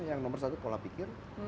yang nomor satu pola pikir